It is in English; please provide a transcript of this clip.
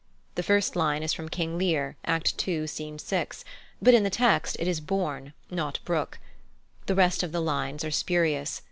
The first line is from King Lear, Act ii., Scene 6, but in the text it is "bourne" not "brook." The rest of the lines are spurious.